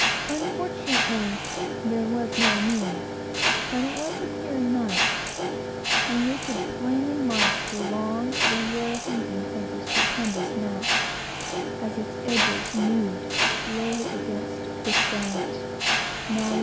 Unfortunately, there was no moon, but it was a clear night, and we could plainly mark the long, regular heaving of the stupendous mass, as its edges moved slowly against the stars.